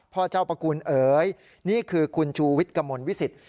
พ่อเจ้าประกูลเอ๋ยนี่คือคุณชูวิทย์กระมวลวิสิต